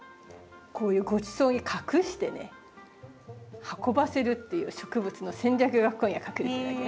こういうごちそうに隠してね運ばせるっていう植物の戦略がここには隠れてるわけね。